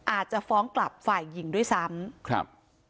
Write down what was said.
อาจจะฟ้องกลับฝ่ายหญิงด้วยซ้ำครับ